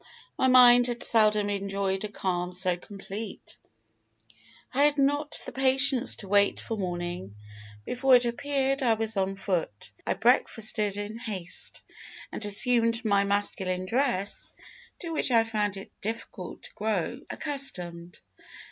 My mind had seldom enjoyed a calm so complete. "I had not the patience to wait for morning. Before it appeared, I was on foot. I breakfasted in haste, and assumed my masculine dress, to which I found it difficult to grow accustomed.